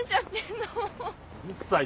うるさい。